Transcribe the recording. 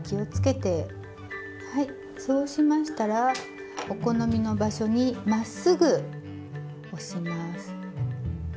はいそうしましたらお好みの場所にまっすぐ押します。